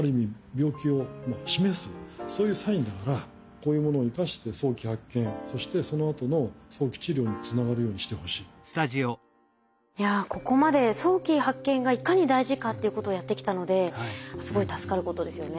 これはやっぱりいやここまで早期発見がいかに大事かっていうことをやってきたのですごい助かることですよね。